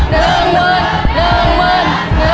นั่งหมั่น